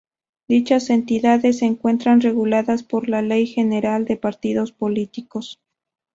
Dichas entidades, se encuentran reguladas por la Ley General de Partidos Políticos.